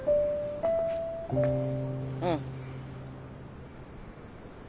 うん。